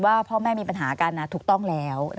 ว่าพ่อแม่มีปัญหากันถูกต้องแล้ว